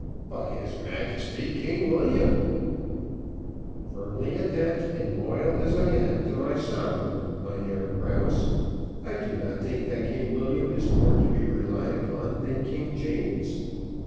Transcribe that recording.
"But his Majesty, King William, " "Firmly attached, and loyal as I am to my sovereign, Mynheer Krause, I do not think that King William is more to be relied upon than King James.